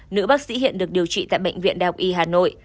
nữ bác sĩ hiện được điều trị tại bệnh viện đại học y hà nội